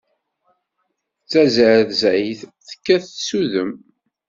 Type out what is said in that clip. D tazerzayt tekkat s udem.